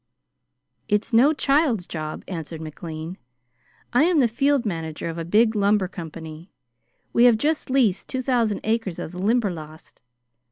"It's no child's job," answered McLean. "I am the field manager of a big lumber company. We have just leased two thousand acres of the Limberlost.